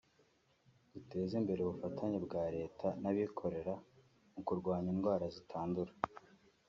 “Duteze imbere ubufatanye bwa Leta n’abikorera mu kurwanya indwara zitandura